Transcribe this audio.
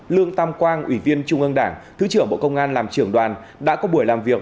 lương tam quang ủy viên trung ương đảng thứ trưởng bộ công an làm trưởng đoàn đã có buổi làm việc